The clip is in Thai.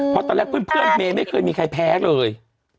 เพราะตอนแรกเพื่อนเมย์ไม่เคยมีใครแพ้เลย